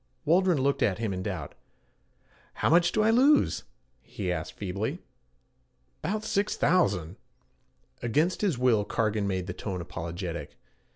Waldron looked at him in doubt. 'How much do I lose?' he asked feebly. ''Bout six thousand' against his will Cargan made the tone apologetic.